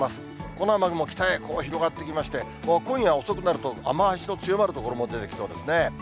この雨雲、北へ広がってきまして、今夜遅くなると、雨足の強まる所も出てきそうですね。